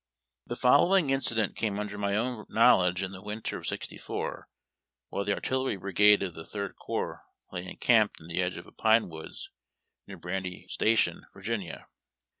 The following incident came under my own knowledge in the winter of "64, while the Artillery Brigade of the Third Corps lay encamped in the edge of a pine woods near Bran dy Station, Virginia.